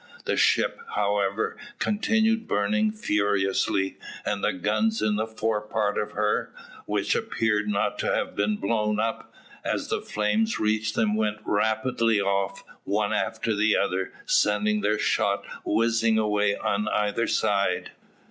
The ship, however, continued burning furiously, and the guns in the forepart of her, which appeared not to have been blown up, as the flames reached them went rapidly off, one after other, sending their shot whizzing away on either side.